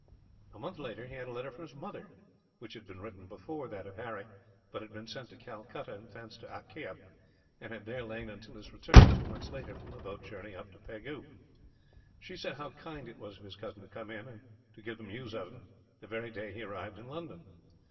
A month later he had a letter from his mother, which had been written before that of Harry, but had been sent to Calcutta and thence to Akyah; and had there lain until his return, two months later, from a boat journey up to Pegu. She said how kind it was of his cousin to come in, to give them news of him, the very day he arrived in London.